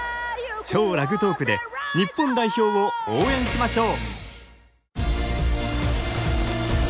超ラグトークで日本代表を応援しましょう！